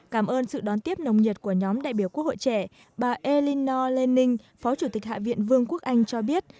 cảm ơn sự đón tiếp nồng nhiệt của nhóm đại biểu quốc hội trẻ bà elinor lenining phó chủ tịch hạ viện vương quốc anh cho biết